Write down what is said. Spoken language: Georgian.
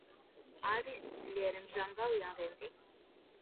არის ძლიერი მჟანგავი აგენტი.